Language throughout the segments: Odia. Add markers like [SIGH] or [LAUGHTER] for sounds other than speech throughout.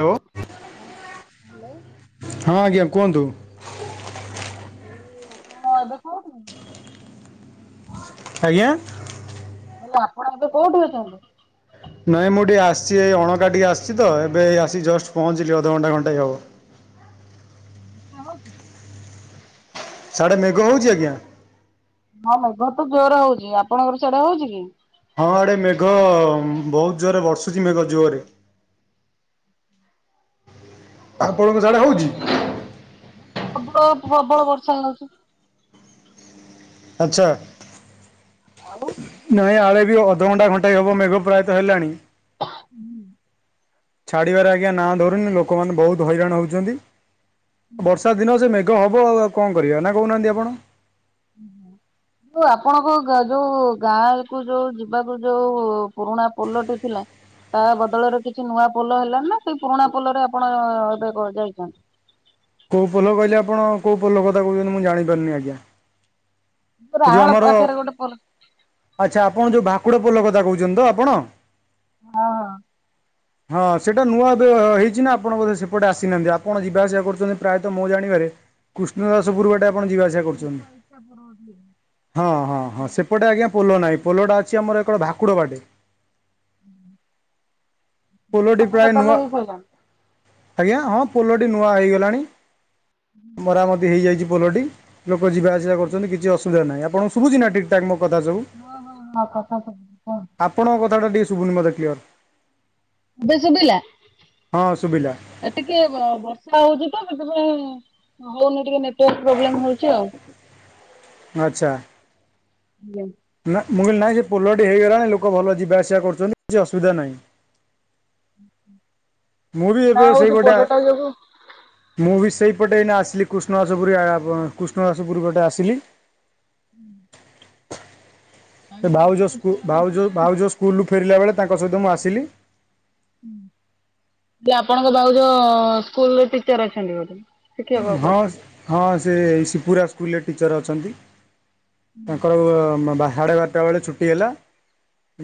ହ୍ୟାଲୋ। ହଁ। ହ୍ୟାଲୋ। ହଁ ଆଜ୍ଞା କୁହନ୍ତୁ। ଯୋଉ ଆପଣ ଏବେ ଖାଉନି [UNINTELLIGIBLE] ଆଜ୍ଞା। ମୁ କହିଲି ଆପଣ ଏବେ କୋଉଠି ଅଛନ୍ତି? ନାଇଁ ମୁଁ ଟିକେ ଆସିଛି ଏଇ ଅଣକା ଟିକେ ଆସିଛି ତ ଏବେ ଆସିକି ଜଷ୍ଟ ପହଞ୍ଚିଲି ଅଧଘଣ୍ଟା ଘଣ୍ଟାଇ ହବ। ଓଷା କରିଛୁ? ସାଢ଼େ ମେଘ ହେଉଛି ଆଜ୍ଞା ହଁ ମେଘ ତ ଜୋର ହଉଛି ଆପଣଙ୍କର ସେଆଡେ ହଉଛି କି? ହଁ ଆଡେ ମେଘ ବହୁତ୍ ଜୋରେ ବଷୁଛି ମେଘ ଜୋରେ। ଆପଣଙ୍କ ସାଡେ ହଉଛି? ପ୍ରବଳ ପ୍ରବଳ ବର୍ଷା ହୋଉଛି। ଆଚ୍ଛା। ଆଉ। ନାହିଁ ଆଡ଼େ ବି ଅଧଘଣ୍ଟା ଘଣ୍ଟାଏ ହେବ ମେଘ ପ୍ରାୟତଃ ହେଲାଣି। [UNINTELLIGIBLE] ଛାଡିବାରେ ଆଜ୍ଞା ନାଁ ଧରୁନି ଲୋକମାନେ ବହୁତ ହଇରାଣ ହଉଛନ୍ତି ବର୍ଷା ଦିନ ସେ ମେଘ ହବ ଆଉ କଣ କରିବା ନା କହୁନାହାନ୍ତି ଆପଣ? ଯଉ ଆପଣଙ୍କ ଯଉ ଗାଁ କୁ ଯଉ ଯିବାକୁ ଯଉ ପୁରୁଣା ପୋଲଟି ଥିଲା। ତା ବଦଳରେ କିଛି ନୂଆ ପୋଲ ହେଲାଣି ନା ସେଇ ପୁରୁଣା ପୋଲରେ ଆପଣ ଏବେ କ ଯାଇଛନ୍ତି? କୋଉ ପୋଲ କହିଲେ ଆପଣ କଉ ପୋଲ କଥା କହୁଛନ୍ତି ମୁଁ ଜାଣିପାରୁନି ଆଜ୍ଞା। ଏ ଯୋଉ ରାହାଳ ଆମର ପାଖରେ ଗୋଟେ ପୋହ୍ଲ। ଆଚ୍ଛା ଆପଣ ଯଉ ଭାକୁଡ ପୋଲ କଥା କହୁଛନ୍ତି ତ ଆପଣ? ହଁ, ଅ। ହଁ ସେଇଟା ନୂଆ ଏବେ ହେଇଛି ନା ଆପଣ ବୋଧେ ସେପଟେ ଆସିନାହାନ୍ତି ଆପଣ ଯିବା ଆସିବା କରୁଛନ୍ତି। ପ୍ରାୟତଃ ମୋ ଜାଣିବାରେ କୃଷ୍ଣ ଦାସ ପୁରୁବାଟେ ଆପଣ ଯିବାଆସିବା କରୁଛନ୍ତି। [UNINTELLIGIBLE] ହଁ, ହଁ, ହଁ ସେପଟେ ଆଜ୍ଞା ପୋହ୍ଲ ନାହିଁ ପୋହ୍ଲଟା ଅଛି ଆମର ଏକର ଭାକୁଡ଼ ବାଟେ। ପୋହ୍ଲ ନୂଆ ଟି ପୋଲ ପ୍ରାୟ ତାହେଲେ ନୂଆଁ। ହେଇସାରିଲାଣି ଆଜ୍ଞା ହଁ ପୋହ୍ଲଟି ନୂଆ ହେଇଗଲାଣି ମରାମତି ହେଇଯାଇଛି ପୋହ୍ଲଟି। ଲୋକ ଯିବାଆସିବା କରୁଛନ୍ତି କିଛି ଅସୁବିଧା ନାହିଁ ଆପଣ ଶୁଭୁଛି ନା ଠିକଠାକ୍ ମୋ କଥା ସବୁ? ହଁ ହଁ ହଁ କଥା ଶୁଭୁଛି କୁହନ୍ତୁ ଆପଣଙ୍କ କଥାଟା ଟିକେ ଶୁଭୁନି ମୋତେ କ୍ଲିଅର୍। ଏବେ ଶୁଭିଲା? ହଁ ସୁୁଭିଲା। ଏ ଟିକେ ବର୍ଷା ହଉଛି ତ ସେଥିପାଇଁ ହଉନି ଟିକେ ନେଟୱାର୍କ ପ୍ରୋବ୍ଲେମ ହଉଛି ଆଉ। ଆଚ୍ଛା। [UNINTELLIGIBLE] ନା ମୁଁ କହିଲି ନାହିଁ ସେ ପୋହ୍ଲଟି ହେଇଗଲାଣି ଲୋକ ଭଲ ଯିବା ଆସିବା କରୁଛନ୍ତି କିଛି ଅସୁବିଧା ନାହିଁ। ମୁଁ ବି ନା ଏବେ ହଉ ସେଇ ସେ ପଟେ ଆ ପୋଲଟା ଯୋଗୁ ମୁଁ ବି ସେଇପଟେ ଏଇନା ଆସିଲି କୃଷ୍ଣଦାସ ପୁରୀଆ କୃଷ୍ଣଦାସ ପୁରୁ ପଟେ ଆସିଲି। [INAUDIBLE] ସେ ଆଗେ ଭାଉଜ ଯେତେବେଳେ ପୋଲ ସ୍କୁଲ ଭାଉଜ ନଥିଲା ଭାଉଜଉ ସ୍କୁଲ୍ରୁ ଫେରିଲା ବେଳେ ତାଙ୍କ ସହିତ ମୁଁ ଆସିଲି। ମୁଁ କହିଲି ଆପଣଙ୍କ ଭାଉଜ ସ୍କୁଲର ଟିଚର ଅଛନ୍ତି ବୋଧେ? ଶିକ୍ଷକ ହଁ, କରୁଛନ୍ତି। ହଁ ସେ ଏଇ ଶିପୁରା ସ୍କୁଲରେ ଟିଚର୍ ଅଛନ୍ତି। ତାଙ୍କର ବା ସାଢେ ବାରଟା ବେଳେ ଛୁଟି ହେଲା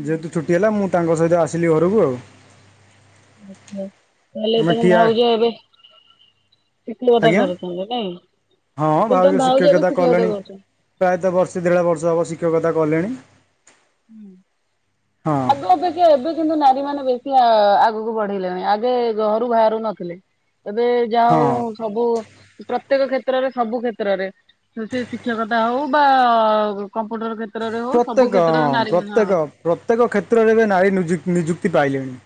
ଯେହେତୁ ଛୁଟି ହେଲା ମୁଁ ତାଙ୍କ ସହିତ ଆସିଲି ଘରକୁ ଆଉ। [UNINTELLIGIBLE] ତାହେଲେ ଆମେ ତମ ଠିଆ ଭାଉଜ ଏବେ ଶିକ୍ଷକତା ଆଜ୍ଞା କରୁଛନ୍ତି ନାଇଁ ମୁଁ ହଁ କହିଲି ଭାଉଜ ତମ ଭଉଜ ଏବେ ଶିକ୍ଷକତା କଲେଣି କରୁଛନ୍ତି। ପ୍ରାୟତଃ ବର୍ଷେ ଦେଢ଼ ବର୍ଷ ହେବ ଶିକ୍ଷକତା କଲେଣି। ହୁଁ। ହଁ। ଆଗ ଅପେକ୍ଷା ଏବେ କିନ୍ତୁ ନାରୀ ମାନେ ବେଶୀ ଅ, ଆଗକୁ ବଢିଲେଣି। ଆଗେ ଘରୁ ବାହାରୁ ନଥିଲେ। ଏବେ ଯା ହଁ। ହୋଉ ସବୁ ପ୍ରତ୍ୟେକ କ୍ଷେତ୍ରରେ ସବୁ କ୍ଷେତ୍ରରେ ସେ ସେ ଶିକ୍ଷକତା ହଉ ବା କମ୍ପ୍ୟୁଟର କ୍ଷେତ୍ରରେ ହଉ ସବୁ ପ୍ରତ୍ୟେକ କ୍ଷେ ହଁ ପ୍ରତ୍ୟେକ ପ୍ରତ୍ୟେକ କ୍ଷେତ୍ରରେ ଏବେ ନାରୀ ନିଯୁ ନିଯୁକ୍ତି ପାଇଲେଣି।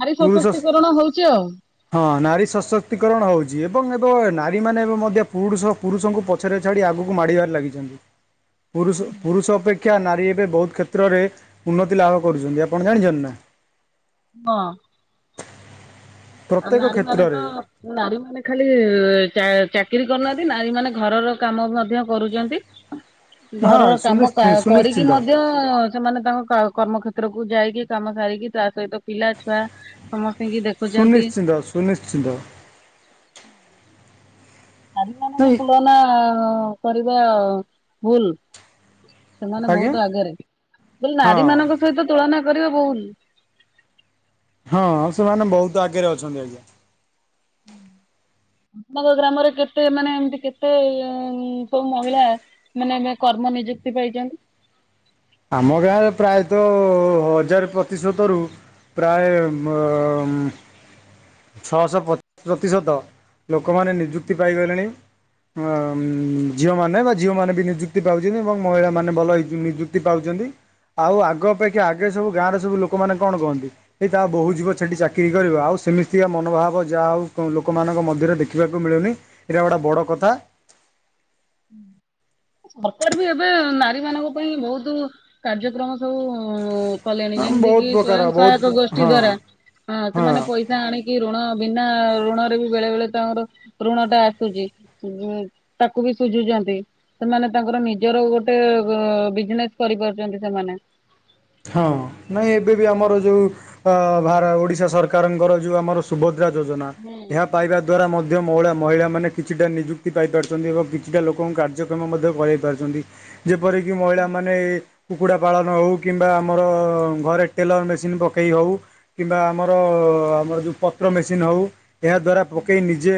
ନାରୀ ପୁରୁଷ ସଶକ୍ତିକରଣ ହଉଛି ଆଉ। ହଁ ନାରୀ ସଶକ୍ତିକରଣ ହଉଛି ଏବଂ ଏବେ ନାରୀମାନେ ଏବେ ମଧ୍ୟ ପୁଡୁଷ ପୁରୁଷଙ୍କୁ ପଛରେ ଛାଡ଼ି ଆଗକୁ ମାଡ଼ିବାରେ ଲାଗିଛନ୍ତି। ପୁରୁଷ ପୁରୁଷ ଅପେକ୍ଷା ନାରୀ ଏବେ ବହୁତ କ୍ଷେତ୍ରରେ ଉନ୍ନତି ଲାଭ କରୁଛନ୍ତି ଆପଣ ଜାଣିଛନ୍ତି ନା? ହଁ। ଓ ପ୍ରତ୍ୟେକ ନାରୀ ମାନେ କ୍ଷେତ୍ରରେ ତ ନାରୀ ମାନେ ଖାଲି ଚା- ଚାକିରି କରୁନାହାନ୍ତି ନାରୀ ମାନେ ଘରର କାମ ମଧ୍ୟ କରୁଚନ୍ତି। ହଁ ଘରର କାମ ସୁନିଶ୍ଚି କ- କରିକି ସୁନିଶ୍ଚିନ୍ତ। ମଧ୍ୟ ହଁ ସେମାନେ ତାଙ୍କ କ- କର୍ମକ୍ଷେତ୍ରକୁୁ ଯାଇକି କାମ ସାରିକି ତା ସହିତ ପିଲା ଛୁଆ ସମସ୍ତିଙ୍କି ଦେଖୁ ସୁନିଶ୍ଚିନ୍ତ ସୁନିଶ୍ଚିନ୍ତ। ନାରୀ ମାନଙ୍କ ନାଇଁ ତୁଳନା କରିବା ଭୁଲ। ସେମାନେ ଆଜ୍ଞା ବହୁତ ଆଗରେ। ମୁଁ କହିଲି ହଁ ନାରୀ ମାନଙ୍କ ସହିତ ତୁଳନା କରିବେ ଭୁଲ। ହଁ ସେମାନେ ବହୁତ ଆଗରେ ଅଛନ୍ତି ଆଜ୍ଞା। ହୁଁ। ଆପଣଙ୍କ ଗ୍ରାମରେ କେତେ ମାନେ ଏମିତି କେତେ ସବୁ ମହିଳା ମାନେ ଏବେ କର୍ମ ନିଯୁକ୍ତି ପାଇଚନ୍ତି। ଆମ ଗାଁରେ ପ୍ରାୟତ ହଜାର ପ୍ରତିଶତରୁ ପ୍ରାୟ ମୋମ୍ ଛଅଶହ ପ୍ରତ ପ୍ରତିଶତ ଲୋକମାନେ ନିଯୁକ୍ତି ପାଇଗଲେଣି। ଆ, ଉଁ,। ଝିଅମାନେ ବା ଝିଅମାନେ ବି ନିଯୁକ୍ତି ପାଉଛନ୍ତି ଏବଂ ମହିଳାମାନେ ଭଲ ଇ- ନିଯୁକ୍ତି ପାଉଛନ୍ତି। ଆଉ ଆଗ ଅପେକ୍ଷା ଆ ଗେ ସବୁ ଗାଁ ର ସବୁ ଲୋକମାନେ କଣ କହନ୍ତି ଏଇ ତା ବୋହୁ ଯିବ ସେଠି ଚାକିରି କରିବ। ଆଉ ସେମି ତିକା ମନୋଭାବ ଯାହା ହଉ କ-ଲୋକମାନଙ୍କ ମଧ୍ୟରେ ଦେଖିବାକୁ ମିଳୁନି। ଏଇଟା ଗୋଟା ହଁ, ହଁ। ସରକାର ବି ଏବେ ନାରୀ ମାନଙ୍କ ପାଇଁ ବହୁତୁ କାର୍ଯ୍ୟକ୍ରମ ସବୁ ଉ, କଲେଣି ଯେମିତି ବହୁତ କି ପ୍ରକାର ବହୁତ ସ୍ଵୟଂସହାୟକ ଗୋଷ୍ଠୀ ହଁ ଦ୍ଵାରା ହଁ ସେମାନେ ପଇ ସା ଆଣିକି ଋଣ ବିନା ଋଣରେ ବି ବେଳେ ବେଳେ ତାଙ୍କର ଋଣ ଟା ଆସୁଛି। ସୁଜିହେଇ ତାକୁ ବି ସୁଝିଦିଅନ୍ତି। ସେମାନେ ତାଙ୍କର ନିଜର ଗୋଟେ ଅ, ବିଜନେସ୍ କରିପାରୁଚନ୍ତି ସେମାନେ। ହଁ ନାଇଁ ଏବେ ବି ଆମର ଯୋଉ ଅ, ଭାର ଓଡ଼ିଶା ସରକାରଙ୍କର ଯୋଉ ଆମର ସୁଭଦ୍ରା ଯୋଜନା ହୁଁ ଏହା ପାଇବା ଦ୍ଵାରା ମଧ୍ୟ ମଳା ମହିଳାମାନେ କିଛିଟା ନିଯୁକ୍ତି ପାଇପାରୁଛନ୍ତି ଏବଂ କିଛିଟା ଲୋକଙ୍କୁ କାର୍ଯ୍ୟ କ୍ଷମ ମଧ୍ୟ କରାଇ ପାରୁଛନ୍ତି। ଯେପରିକି ମହିଳାମାନେ ଏ କୁକୁଡ଼ା ପାଳନ ହଉ କିମ୍ବା ଆମର ଘରେ ଟେଲର୍ ମେସିନ୍ ପକେଇ ହଉ। କିମ୍ବା ଆମର ଆମର ଯୋଉ ପତ୍ର ମେସିନ୍ ହଉ ଏହା ଦ୍ୱାରା ପକେଇ ନି ଜେ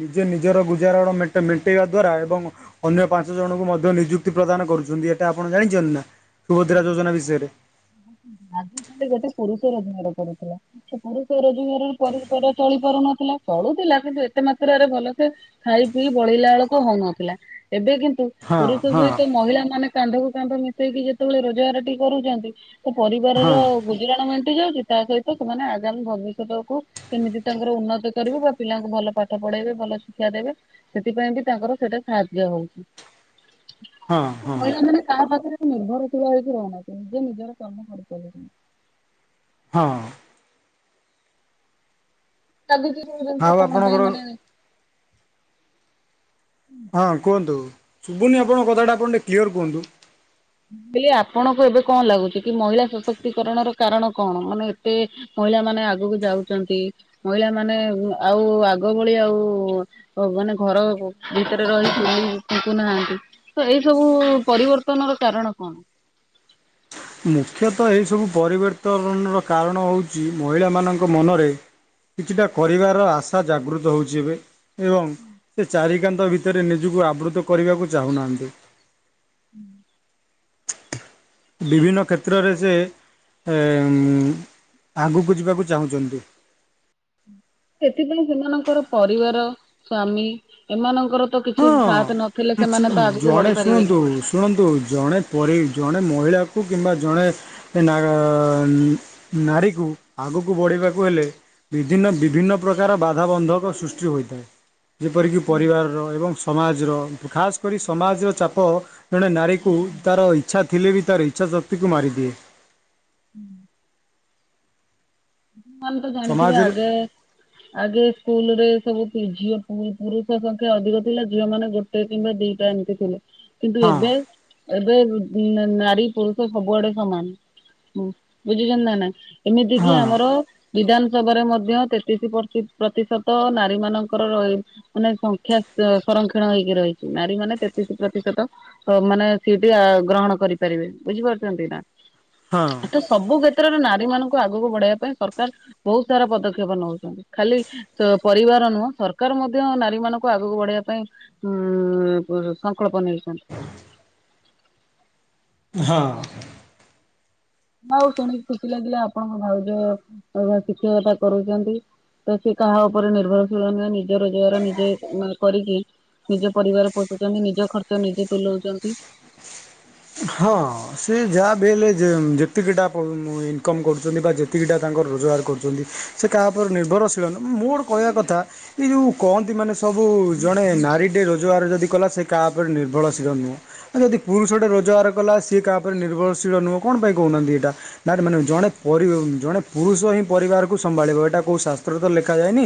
ନିଜେ ନିଜର ଗୁଜାରଣ ମେଣ୍ଟ ମେଣ୍ଟେଇବା ଦ୍ୱାରା ଏବଂ ଅନ୍ୟ ପାଞ୍ଚ ଜଣଙ୍କୁ ମଧ୍ୟ ନିଯୁକ୍ତି ପ୍ରଦାନ କରୁଛନ୍ତି ଏଟା ଆପଣ ଜାଣିଛନ୍ତି ନା ସୁଭଦ୍ରା ଯୋଜନା ବିଷୟରେ? [UNINTELLIGIBLE] ଗୋଟେ ପୁରୁଷ ରୋଜଗାର କରୁଥିଲା। ସେ ପୁରୁଷ ରୋଜଗାରରେ ପରିବାର ଚଳି ପାରୁନଥିଲା ଚଳୁଥିଲା କିନ୍ତୁ ଏତେ ମାତ୍ରାରେ ଭଲ ସେ ଖାଇ ପିଇ ବଳିଳା ବେଳକୁ ହଉନଥିଲା ଏବେ କିନ୍ତୁ ହଁ ପୁରୁଷ ହଁ ସହିତ ମହିଳା ମାନେ କାନ୍ଧ କୁ କାନ୍ଧ ମିଶେଇକି ଯେତେବେଳେ ରୋଜଗାରଟି କରୁଛନ୍ତି। ହଁ ପରିବାରର ଗୁଜୁରାଣ ମେଣ୍ଟି ଯାଉଛି ତା ସହିତ ସେମାନେ ଆଗାମୀ ଭବିଷ୍ୟତକୁ କେମିତି ତାଙ୍କର ଉନ୍ନତି କରିବେ ବା ପିଲାଙ୍କୁ ଭଲ ପାଠ ପଢେଇବେ ଭଲ ଶିକ୍ଷା ଦେବେ। ସେଥିପାଇଁ ବି ତାଙ୍କର ସେଇଟା ସାହାଯ୍ୟ ହଉଛି। ହଁ ହଁ ମହିଳା ମାନେ କାହା ପାଖରେ ନିର୍ଭର ହେଇକି ରହନା ନିଜେ ନିଜର କାମ କରିଚାଲ ତୁମେ। ହଁ। କାନ୍ଦୁଛି ତୁ ଆଉ କଣ ପାଇଁ ଆପଣଙ୍କର ମାନେ। ହଁ କୁହନ୍ତୁ ଶୁଭୁନି ଆପଣଙ୍କ କଥାଟା ଆପଣ ଟିକେ କ୍ଲିଅର୍ କୁହନ୍ତୁ। ମୁଁ କଇଲି ଆପଣଙ୍କୁ ଏବେ କଣ ଲାଗୁଛି କି ମହିଳା ସଶକ୍ତିକରଣର କାରଣ କଣ ମାନେ ଏତେ ମହିଳା ମାନେ ଆଗକୁ ଯାଉଛନ୍ତି ମହିଳା ମାନେ ଆଉ ଆଗ ଭଳି ଆଉ ଭଗବାନ ଘର ଭିତରେ ରହି ଚୁଲି ଫୁଙ୍କୁ ନାହାନ୍ତି। କିନ୍ତୁ ଏଇ ସବୁ ପରିବର୍ତ୍ତନ ର କାରଣ କଣ? ମୁଖ୍ୟତଃ ଏହିସବୁ ପରିବର୍ତ୍ତନର କାରଣ ହଉଛି ମହିଳାମାନଙ୍କ ମନରେ କିଛିଟା କରିବାର ଆଶା ଜାଗୃତ ହଉଛି ଏବେ ଏବଂ ସେ ଚାରିିକାନ୍ଥ ଭିତରେ ନିଜକୁ ଆବୃତ କରିବାକୁ ଚାହୁଁନାହାନ୍ତି। ହୁଁ। ବିଭିନ୍ନ କ୍ଷେତ୍ରରେ ସେ [INAUDIBLE] ଆଗକୁ ଯିବାକୁ ଚାହୁଁଛନ୍ତି। ସେଥିପାଇଁ ସେମାନଙ୍କର ପରିବାର ସ୍ଵାମୀ ଏମାନଙ୍କର ତ କିଛି ହଁ। ସାଥ ନଥିଲେ କିଛି ସେମାନେ ତ ଆଗକୁ ଜଣେ ବଢି ଶୁଣନ୍ତୁ ପାରିବେନି। ଶୁଣନ୍ତୁ ଜଣେ ପରି ଜଣେ ମହିଳାକୁ କିମ୍ବା ଜଣେ ନା [INAUDIBLE] ନାରୀକୁ ଆଗକୁ ବଢିବାକୁ ହେଲେ ବିଭିନ୍ନ ବିଭିନ୍ନ ପ୍ରକାର ବାଧାବନ୍ଧକ ସୃଷ୍ଟି ହୋଇଥାଏ ଯେପରିକି ପରିବାର ଏବଂ ସମାଜର ଖାସ୍ କରି ସମାଜର ଚାପ ଜଣେ ନାରୀକୁ ତାର ଇଚ୍ଛା ଥିଲେ ବି ତାର ଇଚ୍ଛା ଶକ୍ତିକୁ ମାରିଦିଏ। ଆମେ ତ ଜାଣିଥିବେ ସମାଜରେ ଆଗେ ଆଗେ ସ୍କୁଲ ରେ ସବୁ ଝିଅ ପୁରୁଷ ସଂଖ୍ୟା ଅଧିକ ଥିଲା ଝିଅ ମାନେ ଗୋଟେ ଗଟେ କିମ୍ବା ଦିଟା ଏମିତି ଥିଲେ କିନ୍ତୁ ହଁ ଏବେ ଏବେ ନାରୀ ପୁରୁଷ ସବୁଆଡେ ସମାନ। ହୁଁ ବୁଝୁଛନ୍ତି ନା ନାହିଁ ଏମିତି ହଁ କିି ଆମର ବିଧାନସଭାରେ ମଧ୍ୟ ତେତିଶ ପ୍ରତି ପ୍ରତିଶତ ନାରୀ ମାନଙ୍କର ରହି ମାନେ ସଂଖ୍ୟା ସଂରକ୍ଷଣ ହେଇକି ରହିଛି ନାରୀ ମାନେ ତେତିଶ ପ୍ରତିଶତ ମାନେ ସେଟା ଗ୍ରହଣ କରିପାରିବେ ବୁଝିପାରୁଛନ୍ତି ନା। ଏ ତ ହଁ ସବୁ କ୍ଷେତ୍ରରେ ନାରୀ ମାନଙ୍କୁ ଆଗକୁ ବଢେଇବା ପାଇଁ ସରକାର ବହୁତ ସାରା ପଦକ୍ଷେପ ନେଉଛନ୍ତି ଖାଲି ତ ପରିବାର ନୁହଁ ସରକାର ମଧ୍ୟ ନାରୀ ମାନଙ୍କୁ ଆଗକୁ ବଢବା ପାଇଁ ଉଁ [INAUDIBLE] ସଂକଳ୍ପ ନେଇଛନ୍ତି। ହଁ। ଆଉ ଶୁଣିକି ଖୁସି ଲାଗିଲା ଆପଣଙ୍କ ଭାଉଜ ଶିକ୍ଷକତା କରୁଛନ୍ତି। ତ ସେ କାହା ଉପରେ ନିର୍ଭରଶୀଳ ନୁହେଁ ନିଜ ରୋଜଗାର ନିଜେ ମାନେ କରିକି ନିଜ ପରିବାର ପୋଷୁଛନ୍ତି ନିଜ ଖର୍ଚ୍ଚ ନିଜେ ତୁଲଉଛନ୍ତି। ହଁ ସେ ଯାହା ବି ହେଲେ ଯେତିକିଟା ଇନକମ୍ କରୁଛନ୍ତି ବା ଏତିକିଟା ତାଙ୍କର ରୋଜଗାର କରୁଚନ୍ତି ସେ କାହା ଉପରେ ନିର୍ଭରଶୀଳ ନୁହେଁ ମୋଡ଼ କହିବା କଥା ଏ ଯୋଉ କହନ୍ତି ମାନେ ସବୁ ଜଣେ ନାରୀଟିଏ ରୋଜଗାର ଯଦି କଲା ସେ କାହା ଉପରେ ନିର୍ଭରଶୀଳ ନୁହଁ। ଆଉ ଯଦି ପୁରୁଷଟେ ରୋଜଗାର କଲା ସିଏ କାହା ଉପରେ ନିର୍ଭରଶୀଳ ନୁହଁ କଣ ପାଇଁ କହୁନାହାନ୍ତି ଏଟା? ନାରୀ ମାନେ ଜଣେ ପରି ଜଣେ ପୁରୁଷ ହିଁ ପରିବାରକୁ ସମ୍ଭାଳିବ ଏଟା କୋଉ ଶାସ୍ତ୍ରରେ ତ ଲେଖାଯାଏନି।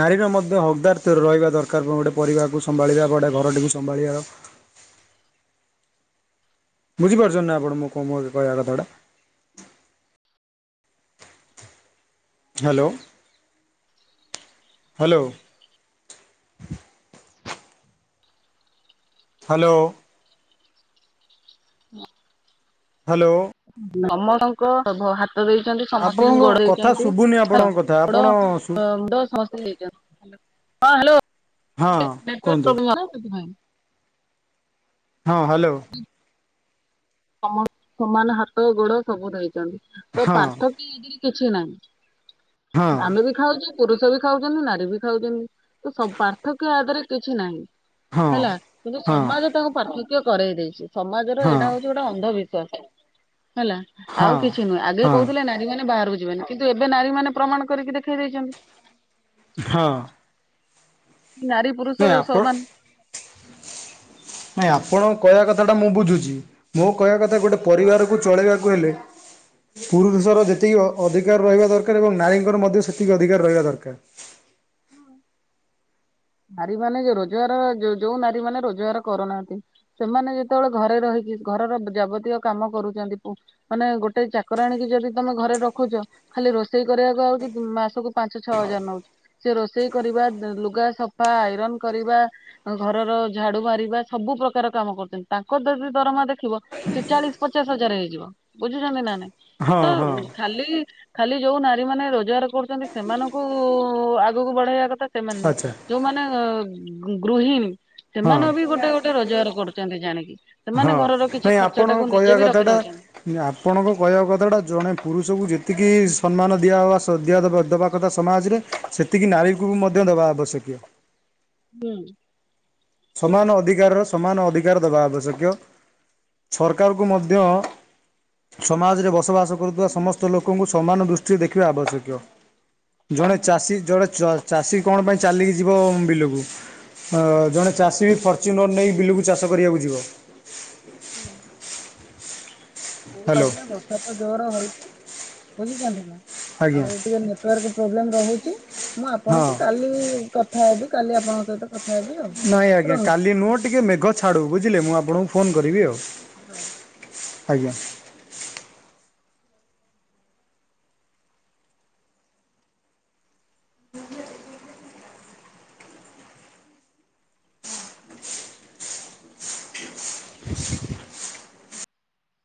ନାରୀର ମଧ୍ୟ ହକ୍ଦାର ରହିବା ଦରକାର ଗୋଟେ ପରିବାରକୁ ସମ୍ଭାଳିବା ଗୋଟେ ଘରଟିକୁ ସମ୍ଭାଳିବାର। ବୁଝି ପାରୁଚନ୍ତି ନା ଆପଣ ମୋ କୋ ମୋର କହିବା କଥା ଗୁଡ଼ା? Hello hello. ହାଲୋ। ହାଲୋ। ସମସ୍ତଙ୍କ ଭ ହାତ ଦେଇଚନ୍ତି ସମସ୍ତିଙ୍କି ଆପଣଙ୍କ ଗୋଡ଼ କଥା ହେଇଚନ୍ତି ଶୁଭୁନି ହାତ ଆପଣଙ୍କ କଥା ଗୋଡ଼ ଆପଣ ଶୁ ଅ ମୁଣ୍ଡ ସମସ୍ତିଙ୍କି ଦେଇଚନ୍ତି। ହଁ ହାଲୋ ହଁ ଏଇଠି ଟିକେ ନେଟୱର୍କ କୁହନ୍ତୁ ପ୍ରୋବ୍ଲେମ ଅଛି ତ ସେଥିପାଇଁ। ହଁ ହାଲୋ। ସମସ୍ତ ସମାନ ହାତ ଗୋଡ଼ ସବୁ ଦେଇଚନ୍ତି ତ ହଁ ପାର୍ଥକ୍ କିଣାକିଣି କିଛି ହଁ ନାଇଁ ଆମେ ବି ଖାଉଚୁ ପୁରୁଷ ବି ଖାଉଚନ୍ତି ନାରୀ ବି ଖାଉଚନ୍ତି ତ ସବ ପାର୍ଥକ୍ୟ ଆ ଦେହରେ କିଛି ନାଇଁ। ହଁ ହେଲା କିନ୍ତୁ ହଁ ସମାଜ ତାଙ୍କୁ ପାର୍ଥକ୍ୟ କରେଇ ଦେଇଚି ସମାଜର ହଁ ଏଇଟା ହଉଚ ଟ ଅନ୍ଧବିଶ୍ୱାସ ହେଲା ଆଉ ହଁ କିଛି ନୁହେଁ ଆଗେ କହୁଥିଲେ ନାରୀ ମାନେ ବାହାରକୁ ଯିବେନି। କିନ୍ତୁ ଏବେ ନାରୀ ମାନେ ପ୍ରମାଣ କରିକି ଦେଖେଇ ଦେଇଚନ୍ତି। ହଁ। ନାରୀ ପୁରୁଷ ନାଇଁ ଆପଣ ସମାନ। ନାଇଁ ଆପଣଙ୍କ କହିବା କଥା ଟା ମୁଁ ବୁଝୁଚି। ମୋ କହିବା କଥା ଗୋଟେ ପରିବାରକୁ ଚଳେଇବାକୁ ହେଲେ ପୁରୁଷର ଯେତିକି ଅ ଅଧିକାର ରହିବା ଦରକାର ଏବଂ ନାରୀଙ୍କର ମଧ୍ୟ ସେତିକି ଅଧିକାର ରହିବା ଦରକାର। ନାରୀ ମାନେ ଯୋଉ ରୋଜଗାର ଯୋଉ ଯୋଉ ନାରୀ ମାନେ ରୋଜଗାର କରୁନାହାନ୍ତି ସେମାନେ ଯେତବଳେ ଘରେ ରହିକି ଘରର ଯାବତୀୟ କାମ କରୁଚନ୍ତି ପୁ ମାନେ ଗୋଟେ ଚାକରାଣି କି ଯଦି ତମେ ଘରେ ରଖୁଚ ଖାଲି ରୋଷେଇ କରିବାକୁ ଆଉଚି ମାସକୁ ପାଞ୍ଚ ଛଅ ହଜାର ନଉଚି। ସେ ରୋଷେଇ କରିବା ଲୁଗା ସଫା ଆଇରନ୍ କରିବା ଘରର ଝାଡ଼ୁ ମାରିବା ସବୁ ପ୍ରକାର କାମ କରୁଚନ୍ତି ତାଙ୍କର ଯଦି ଦରମା ଦେଖିବ ସେ ଚାଳିଶି ପଚାଶ ହଜାର ହେଇଯିବ ବୁଝୁଚନ୍ତି ନା ନାଇଁ? ହଁ ତ ହଁ ଖାଲି ଖାଲି ଯୋଉ ନାରୀ ମାନେ ରୋଜଗାର କରୁଚନ୍ତି ସେମାନଙ୍କୁ ଉ ଉ ଉ ଆ ଆଗୁକୁ ବଢ଼େଇବା କଥା ସେମାନେ ନୁହେଁ ଆଚ୍ଛା ଯୋଉମାନେ ଅ ଅ ଅ ଗୁଁ ଗୃହିଣୀ ହଁ ସେମାନଙ୍କ ବି ଗୋଟେ ଗୋଟେ ରୋଜଗାର କରୁଚନ୍ତି ଜାଣିକି। ସେମାନେ ହଁ ଘରର କିଛି ନାଇଁ ଖର୍ଚ୍ଚ ଆପଣଙ୍କ ଟାକୁ କହିବା ନିଜେ ବି ରଖି କଥାଟା ଦଉଚନ୍ତି। ଆପଣଙ୍କ କହିବା କଥାଟା ଜଣେ ପୁରୁଷକୁ ଯେତିକି ସମ୍ମାନ ଦିଆ ହବା ସ ଦିଆ ଦବ ଦବା କଥା ସମାଜରେ ସେତିକି ନାରୀକୁ ବି ମଧ୍ୟ ଦେବା ଆବଶ୍ୟକୀୟ? ହୁଁ। ସମାନ ଅଧିକାରର ସମାନ ଅଧିକାର ଦବା ଆବଶକ୍ୟ। ସରକାରକୁ ମଧ୍ୟ ସମାଜରେ ବସବାସ କରୁଥିବା ସମସ୍ତ ଲୋକଙ୍କୁ ସମାନ ଦୃଷ୍ଟିରେ ଦେଖିବା ଆବଶକିୟ। ଜଣେ ଚାଷୀ ଜଣେ ଚ ଚାଷୀ କଣ ପାଇଁ ଚାଲିକି ଯିବ ବିଲକୁ ଅ ଜଣେ ଚାଷୀ ବି ଫର୍ଚ୍ୟୁନର୍ ନେଇ ବିଲୁକୁ ଚାଷ କରିବାକୁ ଯିବ। ହଁ। ହଉ ହ୍ୟାଲୋ ଆଜ୍ଞା ବର୍ଷା ତ ଜୋର ହଉଚି ବୋଲିଚନ୍ତି ନା ଆଜ୍ଞା ଆଉ ଟିକେ ନେଟୱାର୍କ ପ୍ରୋବ୍ଲେମ ରହୁଛି ମୁଁ ହଁ ଆପଣଙ୍କୁ କାଲି କଥା ହେବି କାଲି ଆପଣଙ୍କ ସହିତ। କଥା ହେବି ଆଉ ନାଇଁ ଆଜ୍ଞା ରହୁଛି। କାଲି ନୁହଁ ଟିକେ ମେଘ ଛାଡ଼ୁ ବୁଝିଲେ ମୁଁ ଆପଣଙ୍କୁ ଫୋନ୍ କରିବି ଆଉ। ହଁ। ଆଜ୍ଞା।